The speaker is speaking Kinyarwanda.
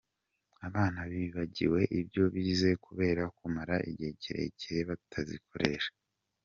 Abana bibagiwe ibyo bize kubera kumara igihe kirekire batazikoresha.